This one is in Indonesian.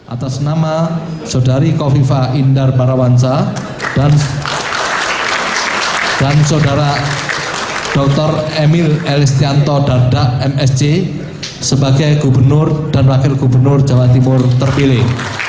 atas nama saudari kofifa indar parawansa dan saudara dr emil elistianto dardak msc sebagai gubernur dan wakil gubernur jawa timur terpilih